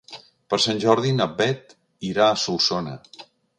Per Sant Jordi na Bet irà a Solsona.